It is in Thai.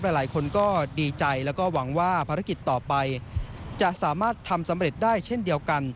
หลายคนก็ดีใจแล้วก็หวังว่าภารกิจต่อไปจะสามารถทำสำเร็จได้เช่นเดียวกัน